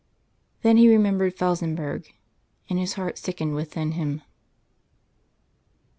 Then he remembered Felsenburgh; and his heart sickened within him.